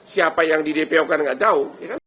siapa yang di dpo kan nggak tahu